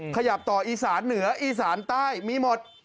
ขยับต่ออีสานเหนืออีสานใต้มีหมด